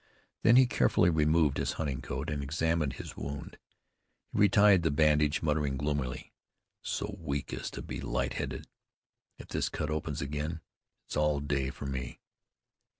Then he carefully removed his hunting coat, and examined his wound. He retied the bandage, muttering gloomily, "I'm so weak as to be light headed. If this cut opens again, it's all day for me."